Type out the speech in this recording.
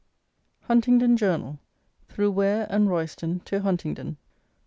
HUNTINGDON JOURNAL: THROUGH WARE AND ROYSTON, TO HUNTINGDON.